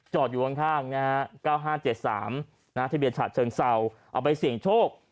อยู่ข้างนะฮะ๙๕๗๓ทะเบียนฉะเชิงเศร้าเอาไปเสี่ยงโชค